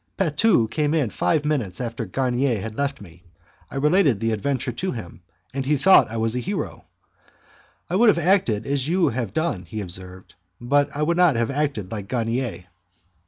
Patu came in five minutes after Garnier had left me: I related the adventure to him, and he thought I was a hero. "I would have acted as you have done," he observed, "but I would not have acted like Garnier."